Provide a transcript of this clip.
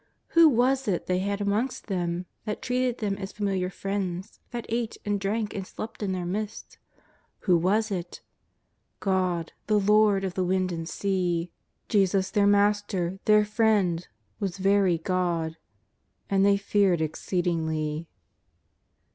Who was it they had amongst them, that treated them as familiar friends, that ate, and drank, and slept in their midst ? Who was it ?— God, the Lord of the wind and sea. Jesus their Master, their Friend, was very God — and they feared exceedingly.